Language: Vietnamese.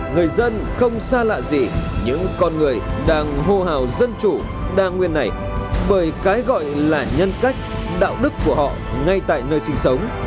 người dân không xa lạ gì những con người đang hô hào dân chủ đa nguyên này bởi cái gọi là nhân cách đạo đức của họ ngay tại nơi sinh sống